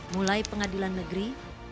mulai pengadilan negeri